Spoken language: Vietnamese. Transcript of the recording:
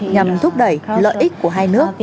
nhằm thúc đẩy lợi ích của hai nước